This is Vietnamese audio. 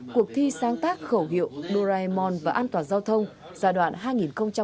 cuộc thi sáng tác khẩu hiệu doraemon và an toàn giao thông giai đoạn hai nghìn một mươi sáu hai nghìn một mươi tám